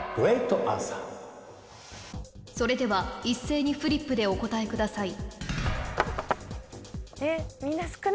それでは一斉にフリップでお答えください